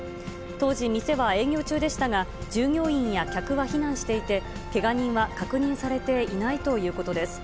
当時、店は営業中でしたが、従業員や客は避難していて、けが人は確認されていないということです。